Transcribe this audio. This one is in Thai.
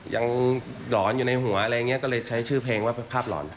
หลอนอยู่ในหัวอะไรอย่างนี้ก็เลยใช้ชื่อเพลงว่าภาพหลอน